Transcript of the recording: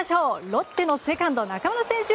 ロッテのセカンド、中村選手